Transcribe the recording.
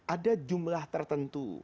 ada jumlah tertentu